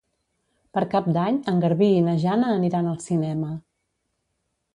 Per Cap d'Any en Garbí i na Jana aniran al cinema.